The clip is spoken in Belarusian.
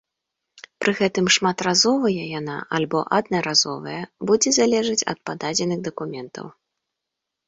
Пры гэтым шматразовая яна або аднаразовая будзе залежаць ад пададзеных дакументаў.